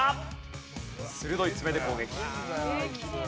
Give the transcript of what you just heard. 鋭い爪で攻撃。